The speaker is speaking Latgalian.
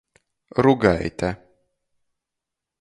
Rugaite.